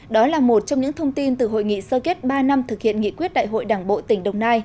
đó là một trong những thông tin từ hội nghị sơ kết ba năm thực hiện nghị quyết đại hội đảng bộ tỉnh đồng nai